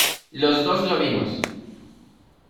los dos lo vimos.